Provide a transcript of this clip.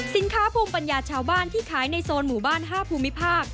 สินค้าภูมิปัญญาชาวบ้านที่ขายในโซนหมู่บ้าน๕ภูมิภาค